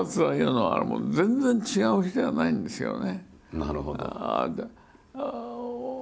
なるほど。